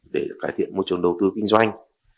để cải thiện môi trường đầu tư kinh doanh